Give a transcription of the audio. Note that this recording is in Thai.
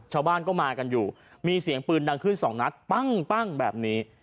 ชาวบ้านก็มากันอยู่มีเสียงปืนดังขึ้นสองนัดปั้งแบบนี้